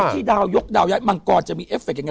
ที่ดาวยกดาวย้ายมังกรจะมีเอฟเคยังไง